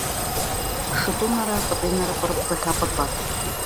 Шытӏунэрэ Пӏытӏинэрэ пӏырыпӏ зэхапӏытӏэ.